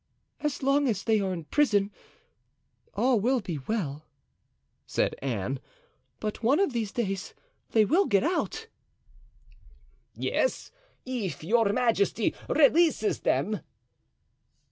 "As long as they are in prison all will be well," said Anne, "but one of these days they will get out." "Yes, if your majesty releases them."